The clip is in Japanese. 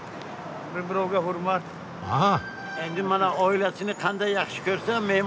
ああ。